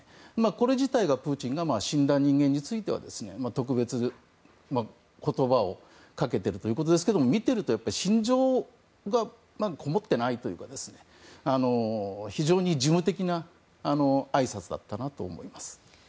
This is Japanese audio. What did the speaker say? これ自体がプーチンが死んだ人間については特別、言葉をかけているということですけど見てるとやっぱり心情がこもってないというか非常に事務的なあいさつだったと思います。